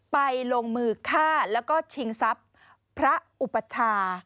ลงมือฆ่าแล้วก็ชิงทรัพย์พระอุปชา